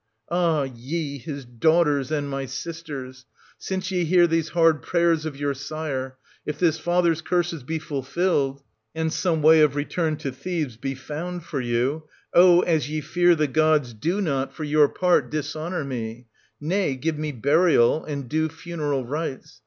vi Ah ye, his daughters and my sisters, — since ye hear these hard prayers of your sire, — if this father's curses be fulfilled, and some way of return to Thebes be found for you, oh, as ye fear the gods, do not, for your part, 1410 dishonour me, — nay, give me burial, and due funeral rites.